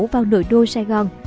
vào nội đô sài gòn